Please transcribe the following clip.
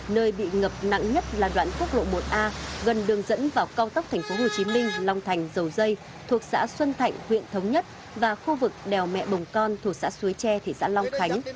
nơi bị ngập nặng nhất là đoạn quốc lộ một a gần đường dẫn vào cao tốc thành phố hồ chí minh long thành dầu dây thuộc xã xuân thạnh huyện thống nhất và khu vực đèo mẹ bồng con thuộc xã suối tre thị xã long khánh